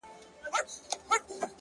دا څو وجوده ولې بې زبانه سرگردانه”